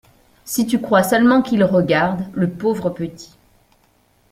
Si tu crois seulement qu’il regarde, le pauvre petit !